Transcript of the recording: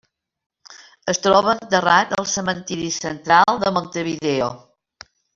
Es troba enterrat al Cementiri Central, a Montevideo.